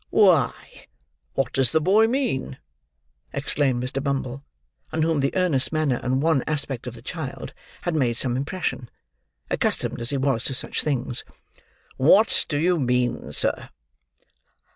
"Why, what does the boy mean?" exclaimed Mr. Bumble, on whom the earnest manner and wan aspect of the child had made some impression: accustomed as he was to such things. "What do you mean, sir?"